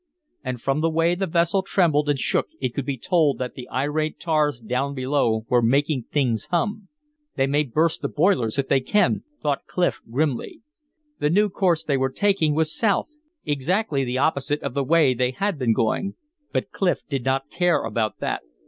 And from the way the vessel trembled and shook it could be told that the irate tars down below were making things hum. "They may burst the boilers if they can," thought Clif, grimly. The new course they were taking was south, exactly the opposite of the way they had been going. But Clif did not care about that.